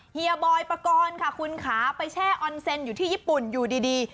เฮียบอยนะคุณคะไปเช่ออนเซ่นอยู่จริง